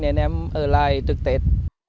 nên em ở lại trước tết